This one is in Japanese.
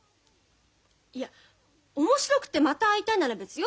いや面白くってまた会いたいなら別よ。